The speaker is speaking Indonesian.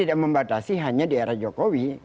dibatasi hanya di era jokowi